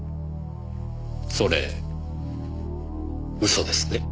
それ嘘ですね？